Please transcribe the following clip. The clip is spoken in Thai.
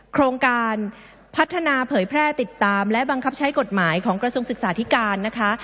โครงการพัฒนาเผยแพร่ติดตามและบังคับใช้กฎหมายของกระทรวงศึกษาธิการนะคะ